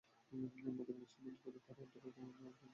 মদীনার মুসলমানদের প্রতিও তার অন্তরে সামান্য দয়ার উদ্রেক হয়েছিল।